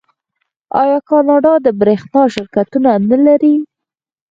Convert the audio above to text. آیا کاناډا د بریښنا شرکتونه نلري؟